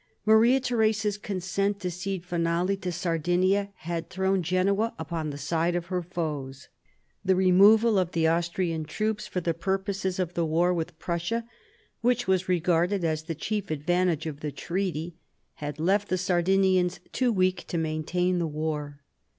Maria Theresa's consent to cede Finale to Sardinia had thrown Genoa upon the side of her foes. The removal of the Austrian troops for the purposes of the war with Prussia, which was regarded as the chief advantage of the treaty, had left the Sardinians too weak to maintain the war.